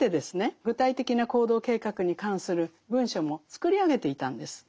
具体的な行動計画に関する文書も作り上げていたんです。